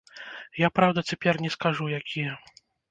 Я, праўда, цяпер не скажу, якія.